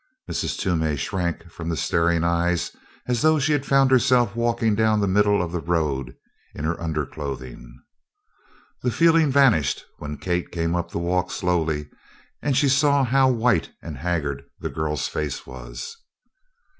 Mrs. Toomey shrank from the staring eyes as though she had found herself walking down the middle of the road in her underclothing. The feeling vanished when Kate came up the walk slowly and she saw how white and haggard the girl's face was.